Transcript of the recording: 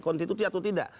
konstitusi atau tidak